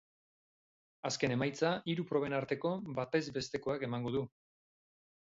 Azken emaitza hiru proben arteko batez bestekoak emango du.